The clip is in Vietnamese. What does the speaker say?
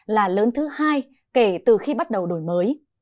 là lớn thứ hai kể từ khi bắt đầu đổi mới